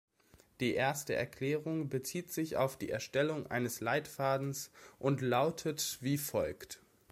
Die erste Erklärung bezieht sich auf die Erstellung eines Leitfadens und lautet wie folgt.